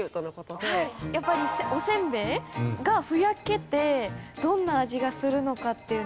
やっぱりおせんべいがふやけてどんな味がするのかっていうのが。